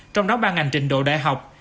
trong đó ba ngành trình độ đại học